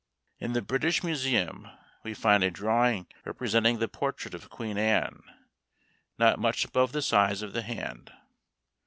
In the British Museum we find a drawing representing the portrait of Queen Anne, not much above the size of the hand.